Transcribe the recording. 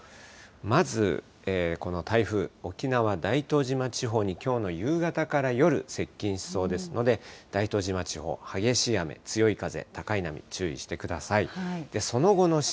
まずこの台風、沖縄、大東島地方にきょうの夕方から夜、接近しそうですので、大東島地方、激しい雨、強い風、高い波、注意してください。